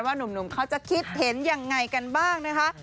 หนุ่มเขาจะคิดเห็นยังไงกันบ้างนะคะ